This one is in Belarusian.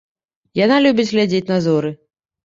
Яна любіць глядзець на зоры.